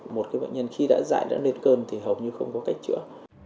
một bệnh nhân khi đã dại đã lên cơn thì hầu như không có cách chữa